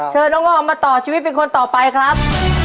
เชิญน้องออมมาต่อชีวิตเป็นคนต่อไปครับ